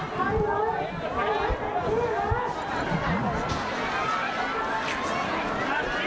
เลยผ่านให้การผสมมีเชื้อตะวัน